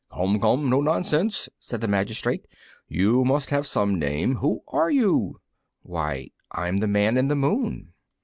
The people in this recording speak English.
"Come, come, no nonsense!" said the magistrate, "you must have some name. Who are you?" "Why, I'm the Man in the Moon."